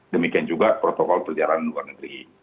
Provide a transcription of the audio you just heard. demikian juga protokol perjalanan luar negeri